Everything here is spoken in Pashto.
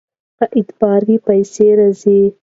که اعتبار وي پیسې راځي.